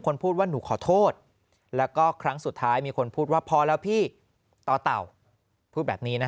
พูดว่าหนูขอโทษแล้วก็ครั้งสุดท้ายมีคนพูดว่าพอแล้วพี่ต่อเต่าพูดแบบนี้นะ